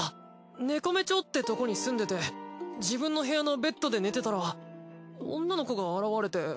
猫目町ってところに住んでて自分の部屋のベッドで寝てたら女の子が現れて。